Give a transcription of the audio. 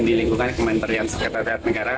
di lingkungan kementerian sekretariat negara